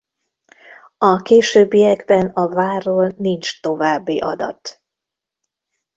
A későbbiekben a várról nincs további adat.